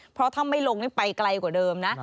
เพราะถ้าไม่ลงนี่ไปไกลกว่าเดิมนะ